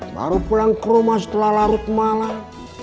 baru pulang ke rumah setelah larut malam